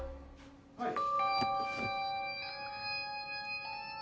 はい。